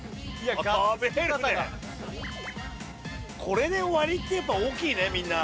これで終わりってやっぱ大きいねみんな。